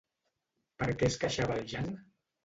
Per què es queixava el Jan?